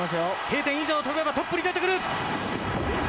Ｋ点以上飛べばトップに出てくる！